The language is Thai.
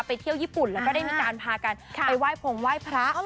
เที่ยวญี่ปุ่นแล้วก็ได้มีการพากันไปไหว้พงไหว้พระ